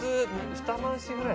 ２回しぐらい。